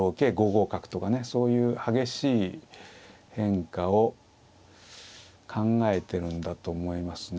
５五角とかねそういう激しい変化を考えてるんだと思いますね。